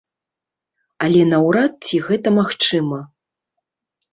Але наўрад ці гэта магчыма.